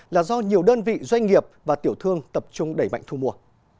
là do nhiều đơn vị doanh nghiệp và tiểu thương tập trung đẩy mạnh thu mua